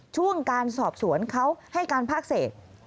ช่วงการสอบสวนเขาให้การภาคเศษ